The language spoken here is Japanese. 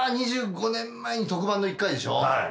２５年前に特番の１回でしょ？